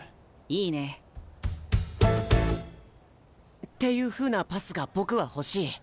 いいね。っていうふうなパスが僕は欲しい。